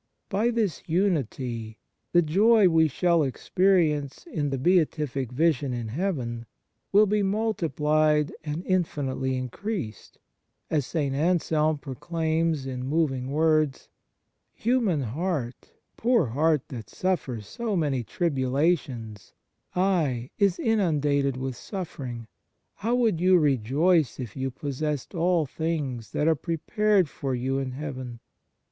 By this unity the joy we shall experience in the beatific vision in heaven will be multiplied and infinitely increased, as St. Anselm pro claims in moving words: " Human heart, poor heart that suffers so many tribula tions ay, is inundated with suffering how would you rejoice if you possessed all things that are prepared for you in heaven